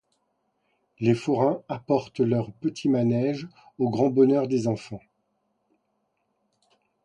Les forains apportent leurs petits manèges aux grands bonheurs des enfants.